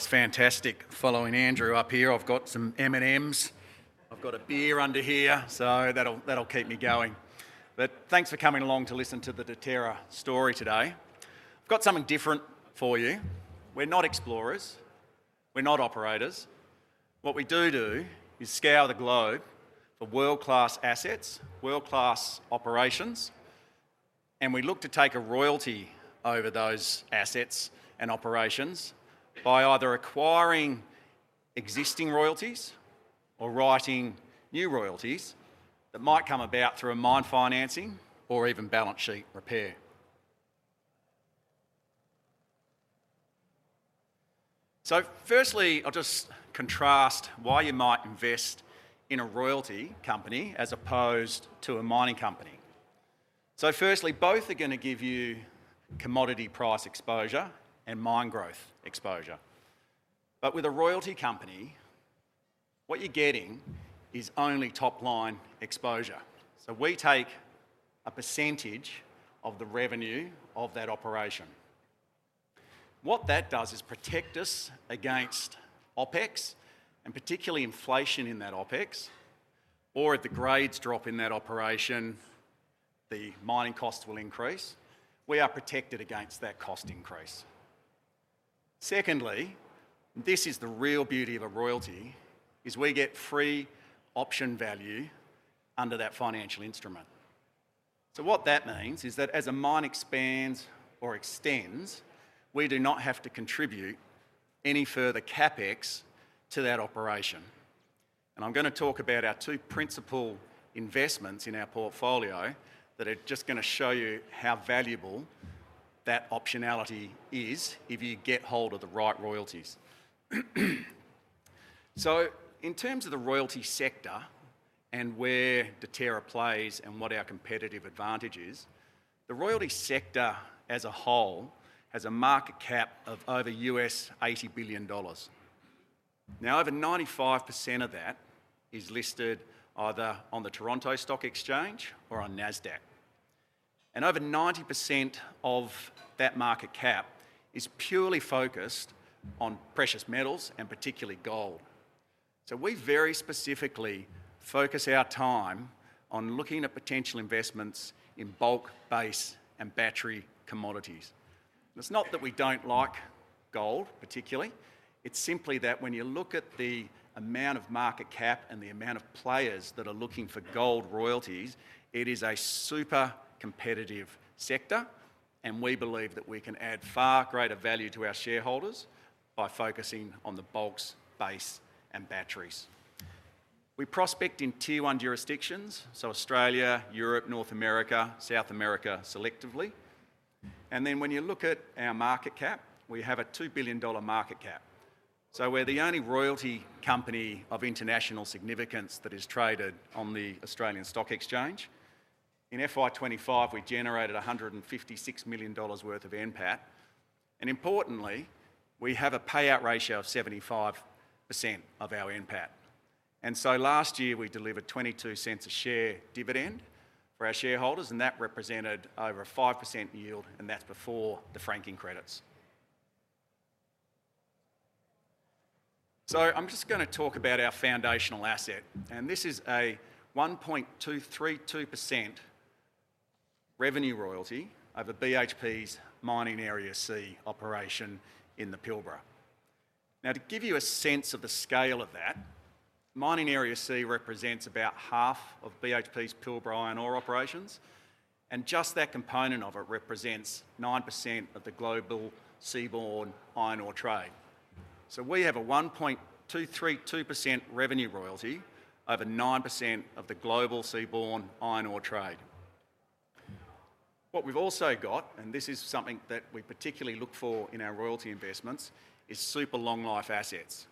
It's fantastic following Andrew up here. I've got some M&Ms. I've got a beer under here, so that'll keep me going. Thanks for coming along to listen to the Deterra story today. I've got something different for you. We're not explorers. We're not operators. What we do do is scour the globe for world-class assets, world-class operations, and we look to take a royalty over those assets and operations by either acquiring existing royalties or writing new royalties that might come about through a mine financing or even balance sheet repair. Firstly, I'll just contrast why you might invest in a royalty company as opposed to a mining company. Firstly, both are going to give you commodity price exposure and mine growth exposure. With a royalty company, what you're getting is only top-line exposure. We take a percentage of the revenue of that operation. What that does is protect us against OpEx, and particularly inflation in that OpEx, or if the grades drop in that operation, the mining costs will increase. We are protected against that cost increase. Secondly, and this is the real beauty of a royalty, is we get free option value under that financial instrument. What that means is that as a mine expands or extends, we do not have to contribute any further CapEx to that operation. I am going to talk about our two principal investments in our portfolio that are just going to show you how valuable that optionality is if you get hold of the right royalties. In terms of the royalty sector and where Deterra plays and what our competitive advantage is, the royalty sector as a whole has a market cap of over $80 billion. Now, over 95% of that is listed either on the Toronto Stock Exchange or on NASDAQ. Over 90% of that market cap is purely focused on precious metals and particularly gold. We very specifically focus our time on looking at potential investments in bulk, base, and battery commodities. It's not that we don't like gold particularly. It's simply that when you look at the amount of market cap and the amount of players that are looking for gold royalties, it is a super competitive sector, and we believe that we can add far greater value to our shareholders by focusing on the bulks, base, and batteries. We prospect in tier-one jurisdictions, Australia, Europe, North America, South America selectively. When you look at our market cap, we have an 2 billion dollar market cap. We're the only royalty company of international significance that is traded on the Australian Securities Exchange. In FY 2025, we generated 156 million dollars worth of NPAT. Importantly, we have a payout ratio of 75% of our NPAT. Last year, we delivered 0.22 a share dividend for our shareholders, and that represented over a 5% yield, and that's before the franking credits. I'm just going to talk about our foundational asset, and this is a 1.232% revenue royalty of BHP's Mining Area C operation in the Pilbara. To give you a sense of the scale of that, Mining Area C represents about half of BHP's Pilbara iron ore operations, and just that component of it represents 9% of the global seaborne iron ore trade. We have a 1.232% revenue royalty over 9% of the global seaborne iron ore trade. What we've also got, and this is something that we particularly look for in our royalty investments, is super long-life assets.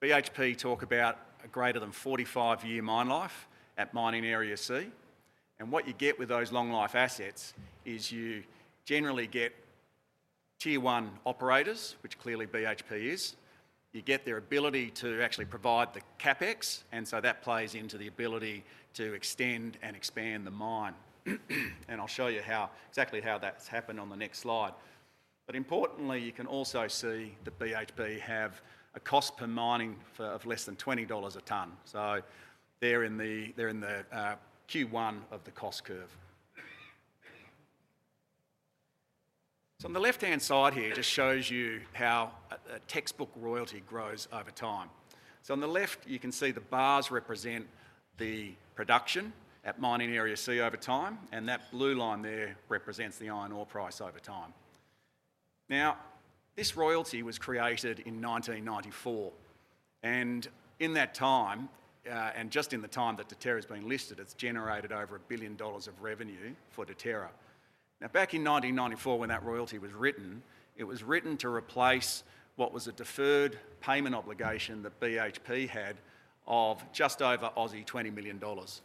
BHP talk about a greater than 45-year mine life at Mining Area C. What you get with those long-life assets is you generally get tier-one operators, which clearly BHP is. You get their ability to actually provide the CapEx, and that plays into the ability to extend and expand the mine. I'll show you exactly how that's happened on the next slide. Importantly, you can also see that BHP have a cost per mining of less than $20 a tonne. They're in the Q1 of the cost curve. On the left-hand side here, it just shows you how a textbook royalty grows over time. On the left, you can see the bars represent the production at Mining Area C over time, and that blue line there represents the iron ore price over time. Now, this royalty was created in 1994, and in that time, and just in the time that Deterra has been listed, it's generated over $1 billion of revenue for Deterra. Now, back in 1994, when that royalty was written, it was written to replace what was a deferred payment obligation that BHP had of just over 20 million Aussie dollars.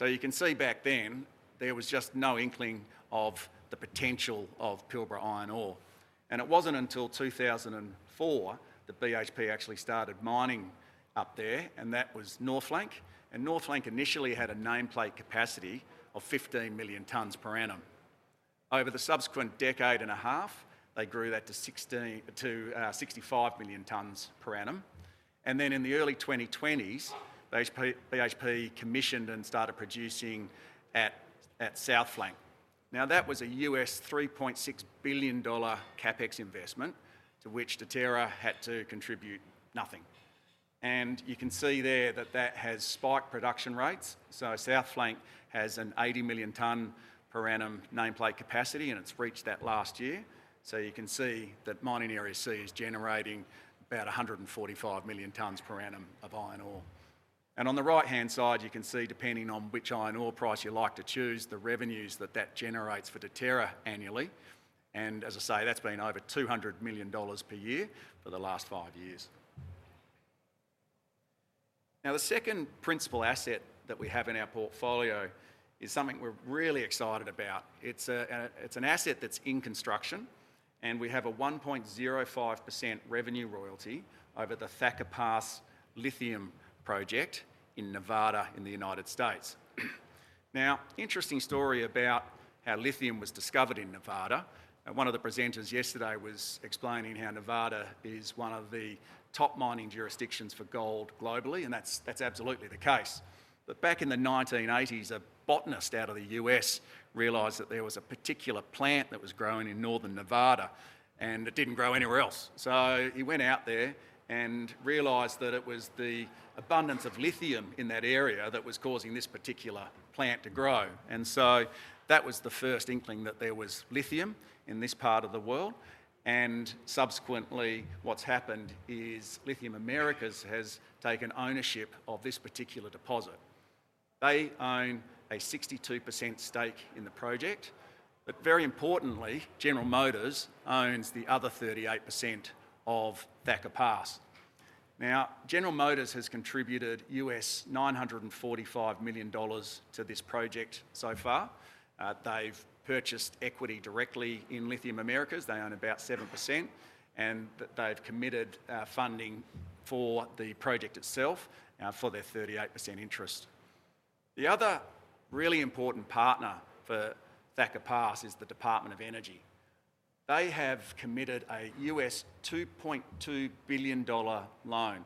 You can see back then, there was just no inkling of the potential of Pilbara iron ore. It was not until 2004 that BHP actually started mining up there, and that was North Flank. North Flank initially had a nameplate capacity of 15 million tonnes per annum. Over the subsequent decade and a half, they grew that to 65 million tonnes per annum. In the early 2020s, BHP commissioned and started producing at South Flank. That was a $3.6 billion CapEx investment to which Deterra had to contribute nothing. You can see there that has spiked production rates. South Flank has an 80 million tonne per annum nameplate capacity, and it reached that last year. You can see that Mining Area C is generating about 145 million tonnes per annum of iron ore. On the right-hand side, you can see, depending on which iron ore price you like to choose, the revenues that that generates for Deterra annually. As I say, that's been over $200 million per year for the last five years. The second principal asset that we have in our portfolio is something we're really excited about. It's an asset that's in construction, and we have a 1.05% revenue royalty over the Thacker Pass lithium project in Nevada in the United States. Now, interesting story about how lithium was discovered in Nevada. One of the presenters yesterday was explaining how Nevada is one of the top mining jurisdictions for gold globally, and that's absolutely the case. Back in the 1980s, a botanist out of the U.S. realized that there was a particular plant that was growing in northern Nevada, and it did not grow anywhere else. He went out there and realized that it was the abundance of lithium in that area that was causing this particular plant to grow. That was the first inkling that there was lithium in this part of the world. Subsequently, what's happened is Lithium Americas has taken ownership of this particular deposit. They own a 62% stake in the project, but very importantly, General Motors owns the other 38% of Thacker Pass. Now, General Motors has contributed $945 million to this project so far. They've purchased equity directly in Lithium Americas. They own about 7%, and they've committed funding for the project itself for their 38% interest. The other really important partner for Thacker Pass is the U.S. Department of Energy. They have committed a $2.2 billion loan.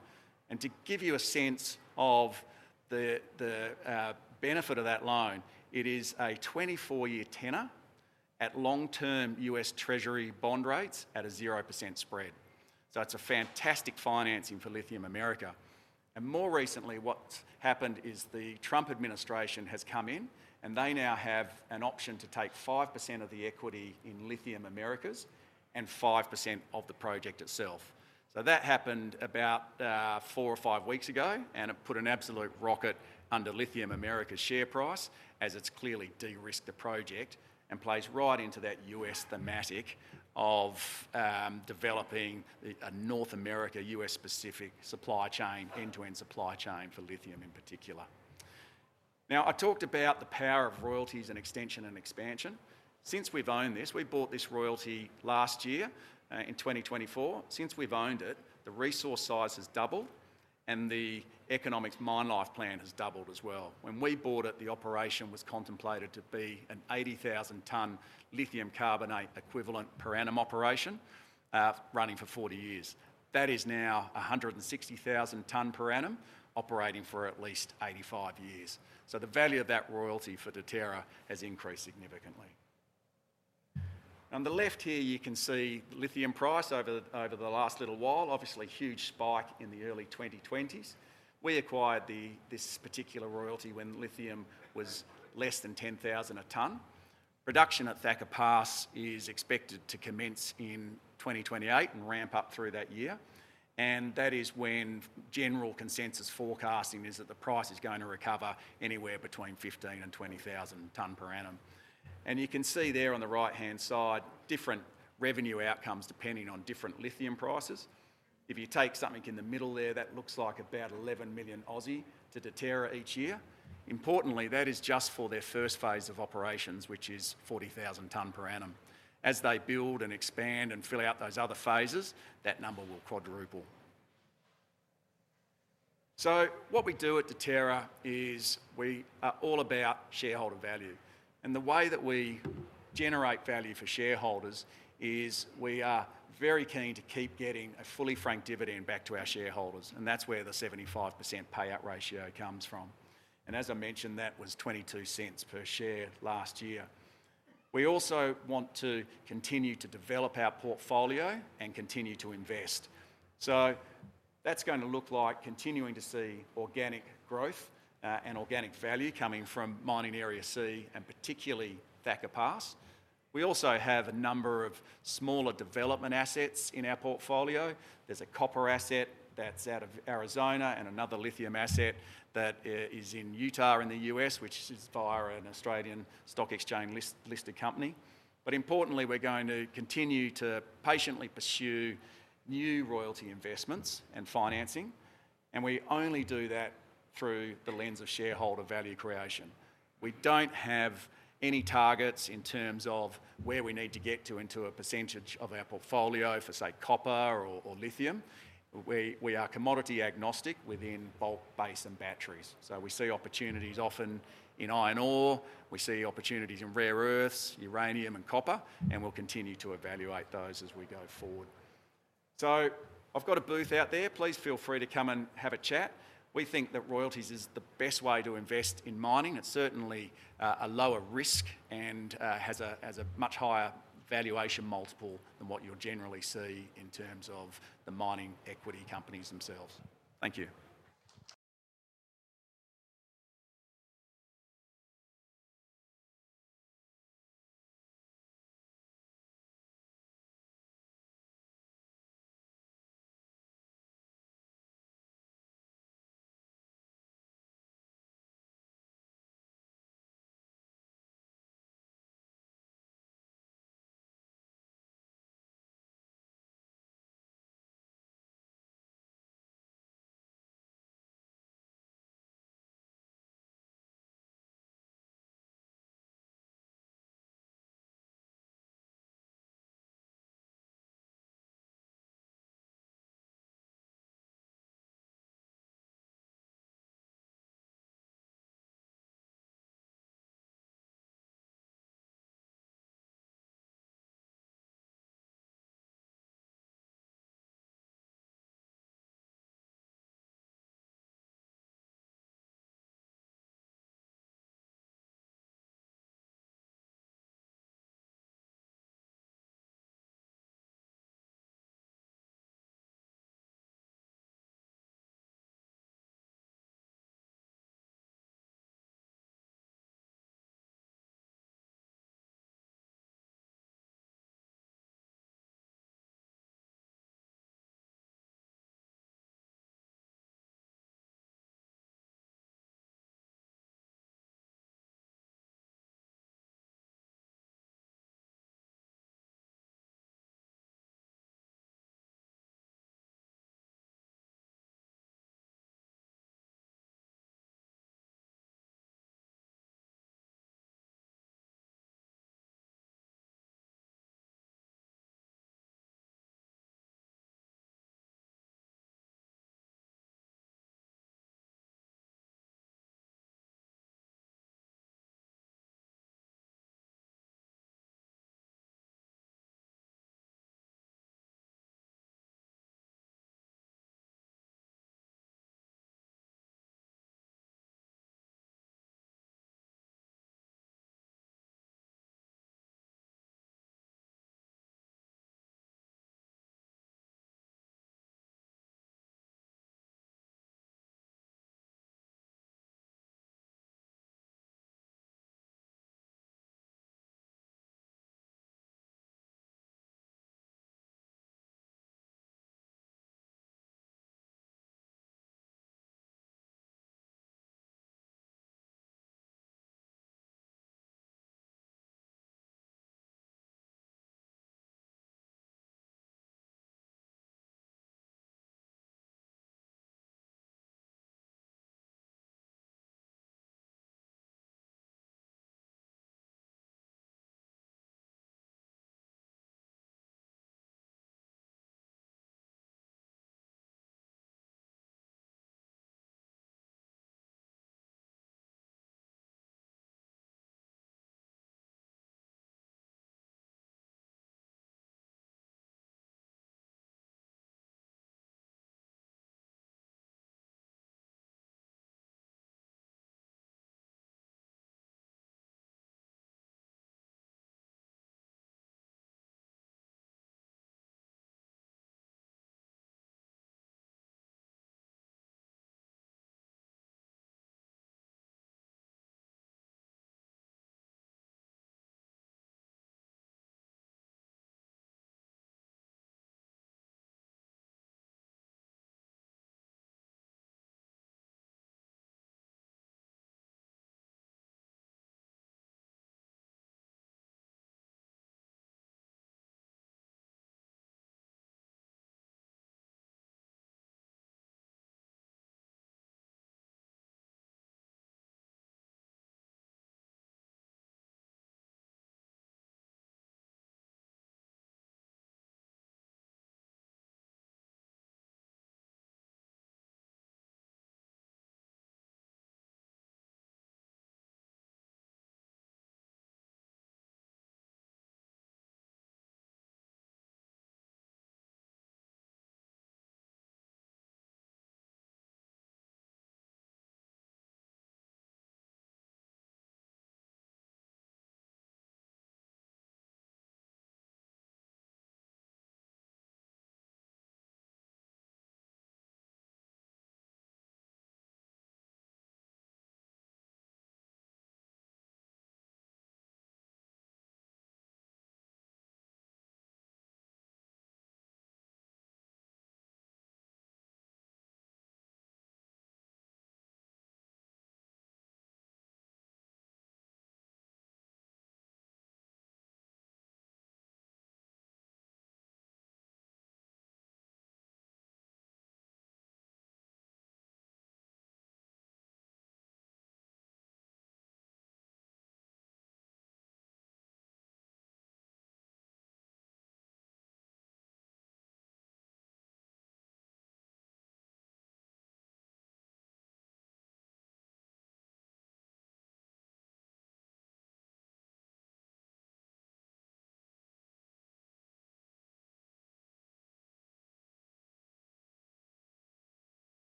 To give you a sense of the benefit of that loan, it is a 24-year tenor at long-term U.S. Treasury bond rates at a 0% spread. It is a fantastic financing for Lithium Americas. More recently, what's happened is the Trump administration has come in, and they now have an option to take 5% of the equity in Lithium Americas and 5% of the project itself. That happened about four or five weeks ago, and it put an absolute rocket under Lithium Americas' share price as it has clearly de-risked the project and plays right into that U.S. thematic of developing a North America-U.S. specific supply chain, end-to-end supply chain for lithium in particular. Now, I talked about the power of royalties and extension and expansion. Since we have owned this, we bought this royalty last year in 2024. Since we have owned it, the resource size has doubled, and the economic mine life plan has doubled as well. When we bought it, the operation was contemplated to be an 80,000 tonne lithium carbonate equivalent per annum operation running for 40 years. That is now 160,000 tonne per annum operating for at least 85 years. The value of that royalty for Deterra has increased significantly. On the left here, you can see lithium price over the last little while, obviously huge spike in the early 2020s. We acquired this particular royalty when lithium was less than 10,000 a tonne. Production at Thacker Pass is expected to commence in 2028 and ramp up through that year. That is when general consensus forecasting is that the price is going to recover anywhere between 15,000 and 20,000 a tonne. You can see there on the right-hand side, different revenue outcomes depending on different lithium prices. If you take something in the middle there, that looks like about 11 million to Deterra each year. Importantly, that is just for their first phase of operations, which is 40,000 tonnes per annum. As they build and expand and fill out those other phases, that number will quadruple. What we do at Deterra is we are all about shareholder value. The way that we generate value for shareholders is we are very keen to keep getting a fully franked dividend back to our shareholders, and that's where the 75% payout ratio comes from. As I mentioned, that was 0.22 per share last year. We also want to continue to develop our portfolio and continue to invest. That is going to look like continuing to see organic growth and organic value coming from Mining Area C and particularly Thacker Pass. We also have a number of smaller development assets in our portfolio. There is a copper asset that is out of Arizona and another lithium asset that is in Utah in the United States, which is via an Australian Securities Exchange-listed company. Importantly, we're going to continue to patiently pursue new royalty investments and financing, and we only do that through the lens of shareholder value creation. We do not have any targets in terms of where we need to get to into a percentage of our portfolio for, say, copper or lithium. We are commodity agnostic within bulk, base, and batteries. We see opportunities often in iron ore. We see opportunities in rare earths, uranium, and copper, and we'll continue to evaluate those as we go forward. I have a booth out there. Please feel free to come and have a chat. We think that royalties is the best way to invest in mining. It is certainly a lower risk and has a much higher valuation multiple than what you will generally see in terms of the mining equity companies themselves. Thank you.